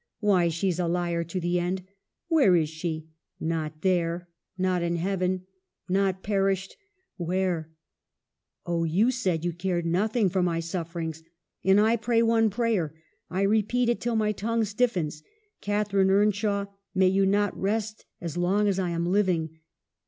'Why, she's a liar to the end! Where is she ? Not tliere — not in heaven — not perished — where ? Oh ! you said you cared nothing for my sufferings. And I pray one prayer. I re peat it till my tongue stiffens. Catharine Earn shaw, may you not rest as long as I am living.